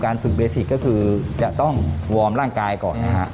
ฝึกเบสิกก็คือจะต้องวอร์มร่างกายก่อนนะฮะ